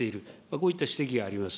こういった指摘があります。